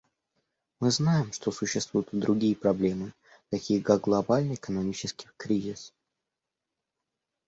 Мы знаем, что существуют и другие проблемы, такие как глобальный экономический кризис.